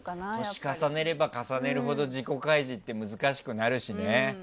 年、重ねれば重ねるほど自己開示って難しくなるしね。